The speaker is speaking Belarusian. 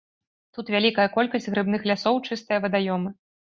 Тут вялікая колькасць грыбных лясоў, чыстыя вадаёмы.